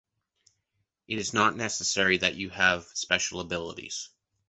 It is not necessary that you have special abilities.